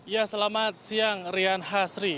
ya selamat siang rian hasri